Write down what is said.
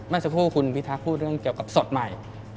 เมื่อสักครู่คุณพิทักษ์พูดเรื่องเกี่ยวกับสดใหม่